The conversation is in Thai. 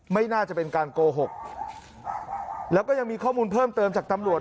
ไม่น่าจะเป็นการโกหกแล้วก็ยังมีข้อมูลเพิ่มเติมจากตำรวจ